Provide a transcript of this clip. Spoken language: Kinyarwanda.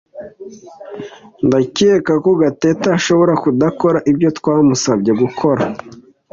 Ndakeka ko Gatete ashobora kudakora ibyo twamusabye gukora.